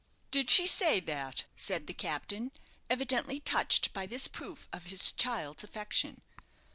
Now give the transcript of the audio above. '" "Did she say that?" said the captain, evidently touched by this proof of his child's affection.